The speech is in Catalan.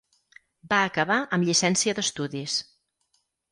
Va acabar amb llicència d'estudis.